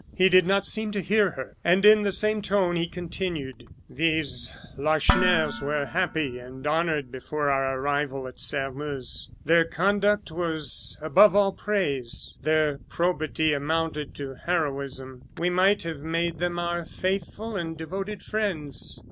He did not seem to hear her, and, in the same tone, he continued: "These Lacheneurs were happy and honored before our arrival at Sairmeuse. Their conduct was above all praise; their probity amounted to heroism. We might have made them our faithful and devoted friends.